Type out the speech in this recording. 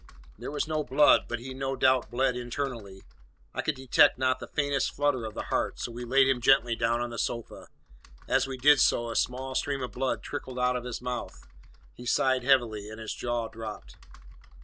There was no blood; but he no doubt bled internally. I could detect not the faintest flutter of the heart, so we laid him gently down on the sofa. As we did so, a small stream of blood trickled out of his mouth, he sighed heavily, and his jaw dropped.